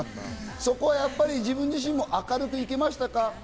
そこはやっぱり自分自身も明るく行けましたか？